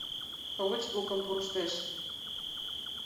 Шовыч лукым пурыштеш.